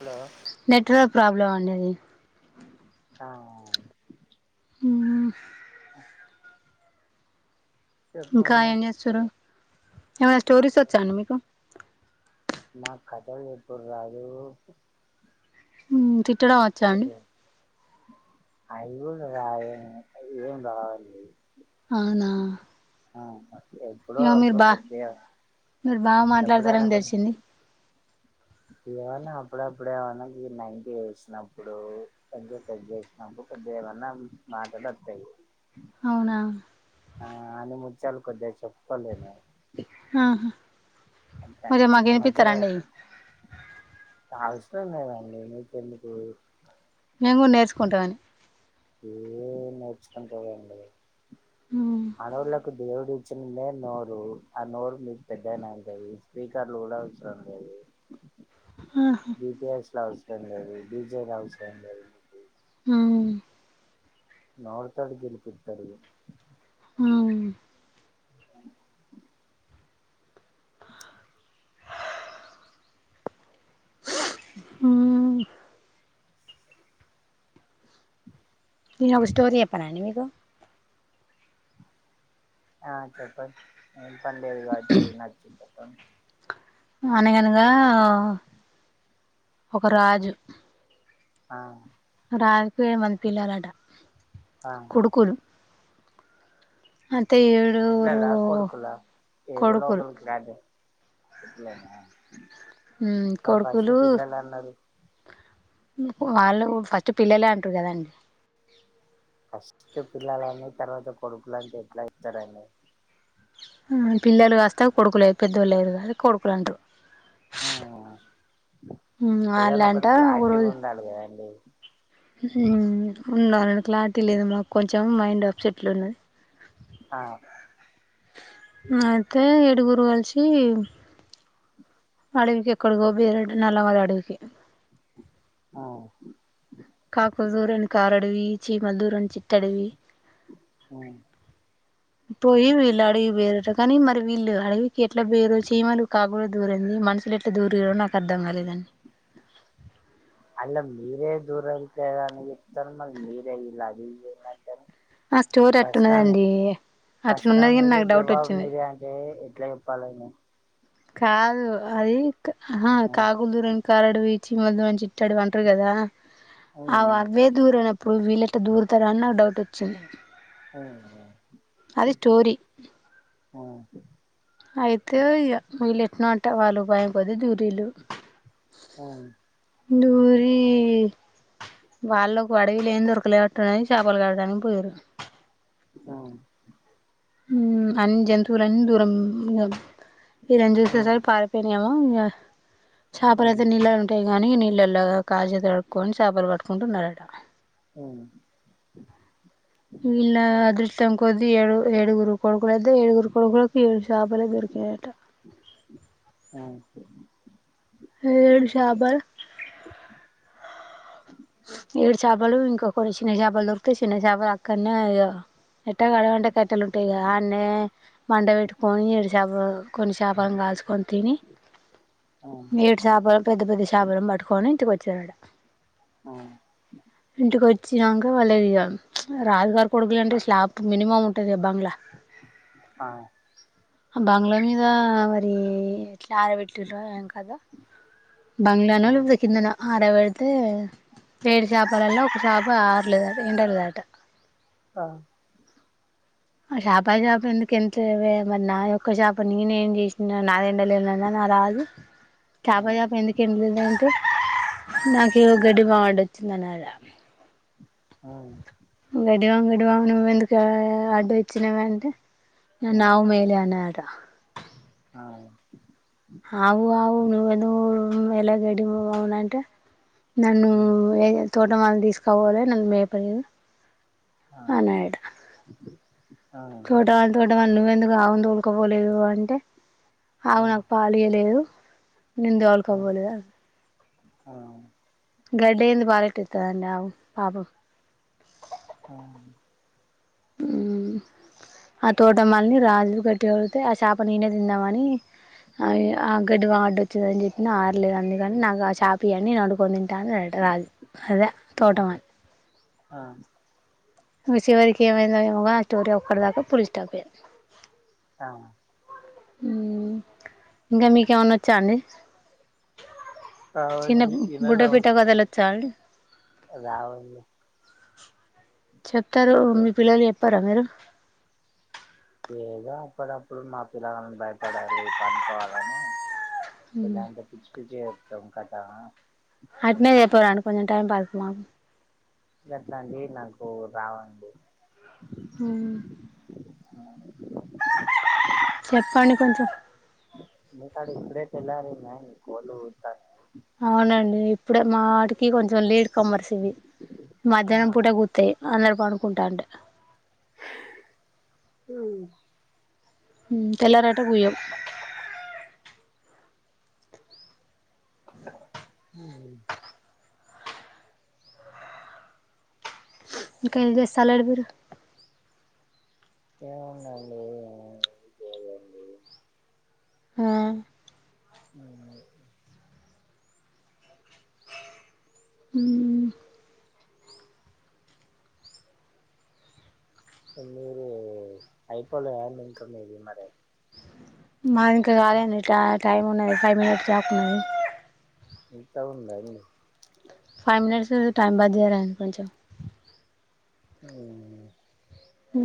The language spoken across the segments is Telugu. హలో నెట్వర్క్ ప్రాబ్లం అండి ఇది టామ్ అమ్మా ఇంకా చెప్పండి ఏం చేసుర్రు ఏవైన స్టోరీస్ వచ్చా అండి మీకు నాక్ కథలు చెప్పుడు రాదు ఉమ్ తిట్టడం వచ్చా అండి అయి గూడా రాదండి ఏం రాదు అవునా ఆ ఎప్పుడో అప్పుడు కొద్దిగా మీర్ బా మాట్లాడతారని తెలిసింది ఇవ్వన్ని అప్పుడప్పుడే ఏమన్నా గి నైన్టీ వేసినప్పుడు కొంచం పెగ్ ఎసినప్పు కొద్దిగా ఏదైనా మాటలోత్తయ్ అవునా ఆ అణిముత్యాలు కొద్దిగా చెప్ ఆహా అంతే అండి మరి మాకు ఈ మధ్యలో వినిపిస్తారండి అవి తగ్ తుందే నండి మీకెందుకు నిన్ కూడా నేర్చుకుంటానని ఏం నేర్చుకుంటారండి ఆడోళ్ళకు దేవుడు ఇచ్చినండే నోరు ఆ నోరు మీకు పెద్దనైతది స్పీకర్లు కూడా అవసరం లేది బిపిఎస్ లో అవసరం లేదు బీజే అవసరం లేదు మీకు ఆ నోరుతోటి గెలిపిత్తరు ఆ ఆ నేను ఒక స్టోరి చెప్పనా అండి మీకు ఆ చెప్పండి ఏం పనిలేదు కాబట్టి నకు చెప్పండి అనగనగా ఒక రాజు ఆ రాజుకు ఎ మంది పిల్లలట ఆ కొడుకులు అ పిల్ల లా కొడుకుల ఏవలో కొడుకులు ఓకల్ క్లారిటీ కొడుకులేనా హుమ్ కొడుకులు వాళ్ళు ప పిల్లలే అంటారు కదాండి ఫస్ట్ పిల్లలని తర్వాత కొడుకులు అంటే ఎట్లైతరండి పిల్లలు కాస్తా కొడుకులే పెద్దోళ్ళైర్ అది కొడుకులంటార్ హుమ్ ఏదన్నా వాళ్ళంట ఒకటి క్లారిటీ ఉండాలి కదండి హుమ్ ఉండలే క్లారిటీ లేదు మాకు కొంచెం మైండ్ అప్సెట్ లో ఉన్నది ఆ అయితే ఏడుగురు కలిసి అడవికి ఎక్కఢీకో పొఇల్లట నల్లమళ్ళ అడవికి ఆ కాకులు దూరన్ కారడవి చమల్ ధూరన్ చి ట్టడివి ఊ పోయ్యి వీళ్లడికి పొఇలాట కానీ మరి వీళ్ళు అడవికి ఎట్లా పోయిర్రో చీమలు కాకుడా దూరంది మనుషులు ఎట్లా దూరిరో నాకు అర్ధం కాలేదండి అళ్లా మీరే దూరాల కదా అని చెప్తారు మళ్ళీ మీరే ఇలా అది అంటరు ఆ స్టోరి అట్టున్నదండి ప్రశ్న అట్లున్నది కాని మీరే నాకు డౌట్ జవాబు వచ్చింది మీరే అంటే ఎట్ల చేప్పలండి కాదు అది అహ కాకులు దూరని కారడివి చిమలు దూరని చ్ టడివి అంటరు కదా అగొ అవ్వే దూరనప్ ప్పుడు వీళ్ళేట్లా దూరుతారాని నాకు డౌట్ వచ్చింది ఓ అది స్టోరీ ఆ అయితే ఇగ వీళ్ళు ఎట్నో ఉంట వాళ్ళు భయం కొద్ది దూరీలు దూరి వాళ్ళుకు అడవి లేం దొరకలేట్ది అని చేపలు కట్టడానికి పోయిర్రు అ అని జంతువులన్నీ దూరం వీళ్లను చూసి పారిపోయా ఇగా చేపలు అయితే నీళ్ళలు ఉంటాయి కానీ నీళ్ళలు కాళ్లు న్ చేతులు కడుక్కొని చేపలు పట్టుకుంటు ఉన్నారట ఉ ఎలా అదృష్టం కొద్ది ఏడుగు ఏడుగురు కొడుకులు ఏడుగురు కొడుకులకు ఏడు చాపలే దొరికినయట ఏడు చాపల్ ఏడు చేపలు ఇంకొక చిన్న చాపలు దొరికితే చిన్న చాప అక్కడనే ఎట్టా గడవంటే కట్టెలు ఉంటాయి అన్నే మండ పెట్టుకొని ఏడు చాపలు కొన్ని చాపలు కాల్చుకొని తిని ఏడు చేపలు పెద్ద పెద్ద చాపలను పట్టుకొని ఇంటికి వచ్చారట ఇంటికొచ్చి వచ్చినాక వాళ్ళది రాజగారు కొడుకులు అంటే స్లాబ్ మినిమం ఉంటుంది స్లాబ్ బంగ్లా ఆ ఆ బంగ్లా మీద మరి ఎట్లా ఆరబెట్రు ఏం కథ బంగ్లాను లేకపోతే కిందనో ఆరబెడితే ఏడు చేపలలో ఒక చాప ఎండ పారలేదట ఎండ లేదట ఆ ఆ చాప చాప ఎందుకు ఎండ లేదే మరి నా యొక్క షా నేనే ఏం చేసిన నాదే ఎండలే ఆ రాజు చేప చేప ఎందుకు ఎండలేదుంటే నాకేమో గడ్డివాము అడ్డొచ్చింది అన్నదట ఆ గడ్డివాము గడ్డివాము నువ్వెందుకు అడ్డొచ్చినావంటే నన్ను ఆవు మెయలే అన్నదట ఆవు ఆవు నువ్వు ఎందుకు మెయ్యలేదంటే గడ్డివామంటే నన్ను ఏ తోట వాళ్ళని తీసుకోవాలి నన్ను మేపడిదు అనాట తోటవాళ తోటవాళ నువ్వెందుకు ఆవు తోలుకపోలేదు అంటే ఆవు నాకు పాలు చేయలేదు నేను తోలుకపోలే అన్నది ఆ గడ్డి ఎందుకు పారిత్తది ఆ పాపం అ ఊ ఆ తోటమ్మల్ని రాజులు కట్టికడితే ఆ చేప ననే తిందాంమని అ గడ్డివాము అట్ట వచ్చింది అని చెప్పిన లేదు అందుకని నాకు ఆ చాపీ అని నేను అడుకొని తింటాను అది యట రాదు అదే తోట మాది ఆ చివరికి ఏమైందో ఏమో గని ఆ స్టోరీ అక్కడి దాకా పుల్ స్టాప్ అయ్యింది అవున ఇంకా మీకేమన్నా వచ్చాఅండి ఏమండీ వినడం కథలు వచ్చా అండి రాదండి చెప్తారు మీ పిల్లలు చెప్పారా మీరు ఏదో అప్పుడప్పుడు మా పిల్లని భయపడాలి పనుకోవాలని కథ అంత పిచ్చి పిచ్చిగా చెప్పుతావు కదా కథ అట్లనే చెప్పుదాం అనుకున్న టైం పాస్ కు గట్లాంటివి అండి నాకు రావండి ఉ చెప్పండి కొంచెం మీ కాడ ఇప్పుడే తెల్లారిందా కోళ్లు పుడుతున్నాయా అవునండి ఇప్పుడే మా వాటికి కొంచెం లీడ్ కమ్మర్స్ ఇవి మధ్యాహ్నం పూట గుతాయి అందరు పడుకుంటాం ఉమ్ తెల్లర్ యట పుయ్యవ్ ఊ ఇక ఏం జెస్తలెడ్ మీరు ఏముంది అండి ఏం లేదు అండి ఆ ఏం లే ఉమ్ ఆ మీరు అయిపోలేదా అండి ఇంకా మీది మరె మాది ఇంక కాలేదండి ట్యా టైమ్ ఉన్నది ఫైవ్ మినిట్స్ దాకున్నది. ఎంత ఉందండి? ఫైవ్ మినిట్స్ ఉంది టైమ్ బద్ జేయరా కొంచం ఊ ఊ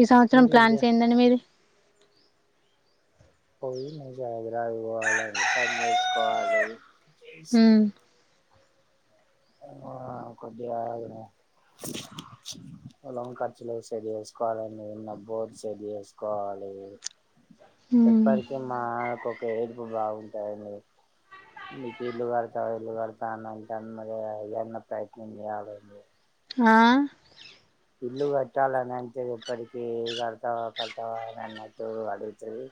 ఈ సంవత్సరం మీరు ఇంటి ప్లాన్స్ ఏంటండి మీవి. పోయి మంచిగా హైదరాబాద్ పోవాలండి పన్ జేస్కోవాలి. ఉమ్ ఆ కొద్దిగా ఆగుదాం. పొలం ఖర్చులకు సెట్ జేస్కోవాలండి ఉన్న బోర్ సెట్ జేస్కోవాల్ లేదు ఎప్పటికీ మా కొక్ కే ఏడుపు బాగుంటాయండి. నీకీ ఇల్లు గడతా, ఇల్లు గడతా అన్ అంటన్న ఏ యన్న ప్రయత్నం జేయాలండి. ఆ ఇల్లు కట్టాలని అంటది. ఎప్పటికీ కడ్తావా, కడ్తావా అన్నట్టు అడుగుతది.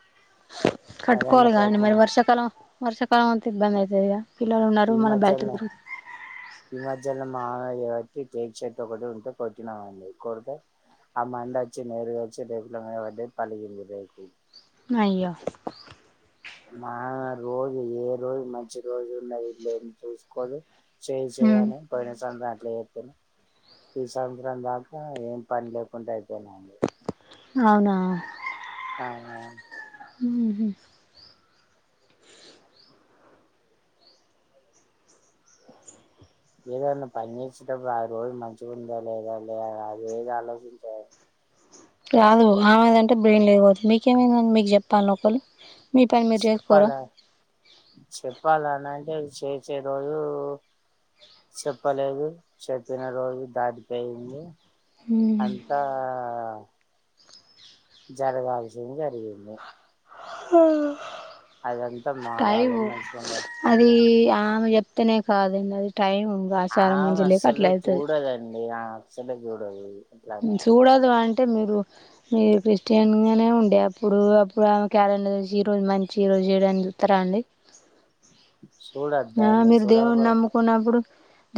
ఏదన్నా కట్కోవాలిగా అండి మరి ప్రయత్నం వర్షాకాలం వర్షాకాలం ఒత్తే ఇబ్బంది అయితదిగా పిల్లలున్నారు ఈ మళ్ళ బైటిక్ మధ్యలనే తిరుగు ఈ మధ్యలో మా ఇగ టీ టేక్ చెట్ ఒకటి ఉంటే కొట్టినామండి కొడుతే ఆ మండ అచ్చి నేరు గొచ్చి రేకుల మీద పడ్డది పలిగింది రేకు. అయ్యో మా ఆమె రోజు ఏ రోజు మంచి రోజు ఉన్నది లేనిది చూసుకోదు. చేయి చేయి ఉమ్ అని పోయిన సంది ఆన్ లేత్తనే ఈ సమ్చరం దాకా ఏం పన్ లేకుండ అయిపేనా అండి అవునా ఆ ఆ ఉహు ఏదన్న పన్ జేసేటప్పుడు ఆ రోజు మంచిగ్ ఉందా లేదా ల్యా అది ఏది ఆలోచించదు కాదు ఆమె దంటే బ్రెయిన్ లేదు గావచ్చు, మీకేమైందండి మీకు జప్పాల్నా ఒకళ్ళు. మీ పని మీరు చేసుకోరా చెప్పాలా చెప్పాలా అన్ అంటే చేచే రోజు చెప్పలేదు. చెప్పిన రోజు దాటిపేయింది. ఉమ్ అంతా జరగాల్సింది జరిగింది. అదంతా మారాలి టైము మంచిగ ఉండ ఉమ్ తినే కాదండి అది టైం. ఆచారం ఆమే మంచిగా లేక అస్సలు అట్లా అయితది చూడదండి ఆమే అసలే చూడదు. ఉమ్ ఇట్లానే సూడదు అన్ టే మీరు మీరు క్రిస్టియన్ గనే ఉండే అప్పుడు అప్పుడు ఆమె క్యాలెండర్ చూసి ఈరోజు మంచి ఈ రోజ్ వాళ్ళు జేయడాని జుత్తరా అండి. ఆ చూడద్దాండి మీరు దేవున్ని చూడకపోతే నమ్ముకొనప్పుడు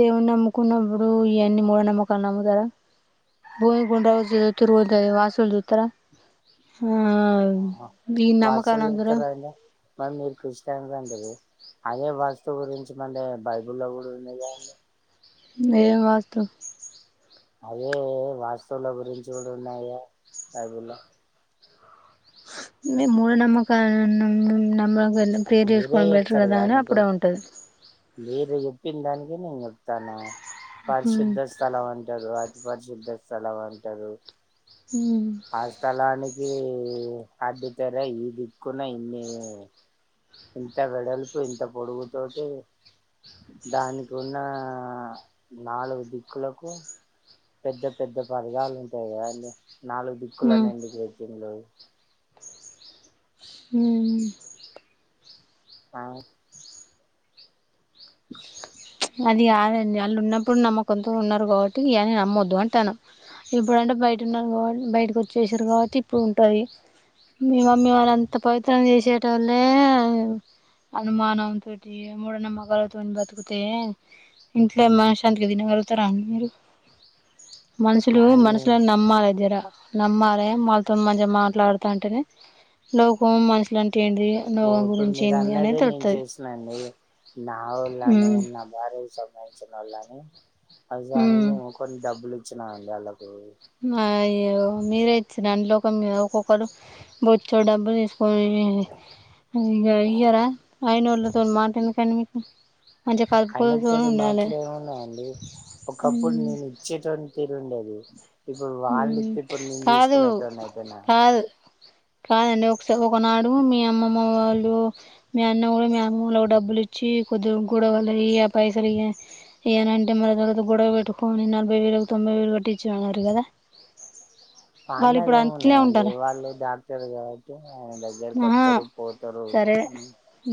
దేవున్ని నమ్మకున్నబ్బుడు ఇయన్నీ మూడ నమ్మకాలు నమ్ముతరా. భూమి గుండ్రంగా తిరుగుతురు ఉంటది వాస్తులు జుత్తరా హు ఆహా వాస్సుల్ నమ్ముతారా చూతరా ఇంగా. మరి మీరు క్రిస్టియన్లు అంటర్రు. అదే వాస్తు గురించి మందెగ్గర బైబుల్లో గూడా ఉన్నది గాదండి. లే వాస్తు అదే వాస్తుల గురించి కూడా ఉన్నయిగా. బైబుల్ల మేం మూఢ నమ్మకాలను నమ్మం. వెళ్ళాం. ప్రేర్ మీరే చేసుకోవడం బెటర్ చెప్తారు గాదా. అని కదండి ఇప్పుడు అప్పుడే ఉంటది. మీరు చెప్పిన దానికే, నేన్ చెప్తన్న. ఉమ్ పరిశుద్ధ స్థలం అంటరు, అ అపరిశుద్ధ స్థలం అంటరు. ఉమ్ ఆ స్థలానికి అడ్డు తెర, ఈ దిక్కున ఇన్నీ ఇంత వెడల్పు, ఇంత పొడుగుతోటి. దానికి ఉన్న నాలుగు దిక్కులకు పెద్ద పెద్ద పరదాలు ఉంటాయి కదాండి. నాలుగు దిక్కులను ఉమ్ ఎందుకు పెట్టిండ్ళ్ళు. ఉమ్ ఆవ్ [inaudible] ప్చ్ అది కాదండి, ఆళ్లున్నప్పుడు నమ్మకంతో ఉన్నారు గాబట్టి. ఇయే ఆమ్మొద్దు అంటాన్న. ఇప్పుడుంటే బయటున్నాం గాబట్, బయటికు వచ్చేసిరు కాబట్టి, ఇప్పుడు ఉంటది. మీ మమ్మీ వాళ్ళంత పవిత్రం చేసే టోలే అనుమానం తోటి, మూఢనమ్మకాలతోన్, బతుకుత్ తే ఇంట్లో మనశాంతిగా తినగలుగుతారా అండి. మీరు? మనుషులు, అది మనుషులని నమ్మాలే జర నమ్మాలే వాళ్ళతో మంచిగా మాట్లాడుతంటేనే, లోకం మనుషులంట్ టే ఏంది లోకం ఇప్పుడు గురించి మీరు ఏంది అనేది అన్నదే నేను తెల్తది. చేసినండి నా వోళ్ళని, నా భార్య క్ సంబంధించినోళ్ళని. అవసరానికి ఉమ్ మేము కొన్ని డబ్బులు ఇచ్చినాం అండి వాళ్ళకు. మాఅయ్యో మీరే ఇచ్చిడ్లాండి. లోకం మీద ఒక్కొక్కళ్ళు, బొచ్చడు డబ్బుల్ తీసుకొన్ నీ ఇంగ ఇయ్యారా. అయినోళ్ళతో మాటేందుకండి మీకు? మంచిగా కలుపుకోలుతోని అయినోళ్లతోటి ఉండాలే మాట్లే ఉన్నదండి. ఒకప్పుడు మ్మ్ నేను ఇచ్చేటోన్ ఉండేది. ఇప్పుడు వాళ్ళు మ్మ్ ఇతే ఇప్పుడు, నేను కాదు తీసుకునేటోని అయిపోయినా. కాదు కాదండి ఒకస ఒకనాడు మీ అమ్మమ్మ వాళ్ళు, మీ అన్న కూడా మీ అమ్మోలకి డబ్బులి చ్చి కొద్దిగా గొడవలయి. ఆ పైసలు ఇయ్య ఇయ్య నానంటే, మళ్ళ వాళ్ళతో గొడవ పెట్టుకని. నలభైవే లకు, తొంభై వేలు కట్టిచ్చిన అన్నారు గాదా. మా అన్నది అట్లే ఏమున్నాదండి. ఉంటారా వాళ్ళు డాక్టర్ కాబట్టి ఆయన దగ్గరకి ఆహా వత్తరు పోతరు సరే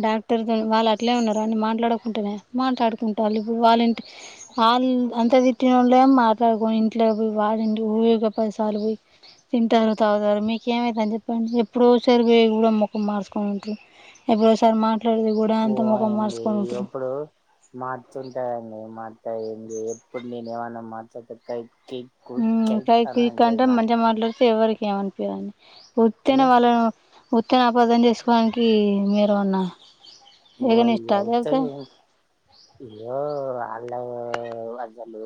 డాక్టర్ తోన్ వాళ్ళు అట్లే ఉన్నారు అండి. మాట్లాడకుంటనే, మాట్లాడుకుంటాలు ఇప్పుడు. వాళ్ళంటిక్ ఆళ్ళు అంత తిట్టి ళ్లేం మాట్లాడుకొని ఇంట్లోకి పోయి, వారింటికి ఊకె పదిసార్లు పోయి. తింటారు, తాగుతారు మీకేమయితాంది చెప్పండి. ఎప్పుడో టె మీరు కూడా మొఖం మార్చుకొని ఉంట్రు. ఎప్పుడో సారి మా పోవలండి. ఇయోప్పుడు మత్తుంటాధండి. మా త్తయుంది. ఎప్పుడ్ నేను ఏమన్నా మాత్తకోతయ్ ఉమ్ కై కూయిక్ అంటే. నాకు మంచిగా మాట్లాడితే ఎవరికి ఏమనిపియదండ్ అంటే ఉత్తినే వాళ్ళను, ఉత్తనే అపార్థం చేసుకోడానికి మీరు ఏమన్న. ఓ అయ్యా ఉత్తనే ఇగో పండగో అసలు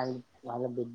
అల బి వాళ్ళ బిడ్